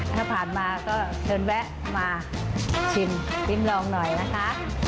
ถ้าผ่านมาก็เชิญแวะมาชิมริ้มลองหน่อยนะคะ